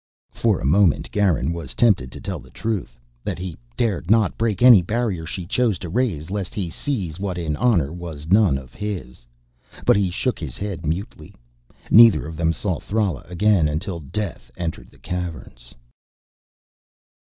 For a moment Garin was tempted to tell the truth: that he dared not break any barrier she chose to raise, lest he seize what in honor was none of his. But he shook his head mutely. Neither of them saw Thrala again until Death entered the Caverns.